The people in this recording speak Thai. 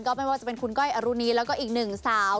ไม่ว่าจะเป็นคุณก้อยอรุณีแล้วก็อีกหนึ่งสาว